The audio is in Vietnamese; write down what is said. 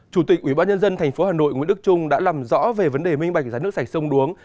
chủ tịch ubnd tp hà nội nguyễn đức trung đã làm rõ về vấn đề minh bạch giá nước sạch sông đuống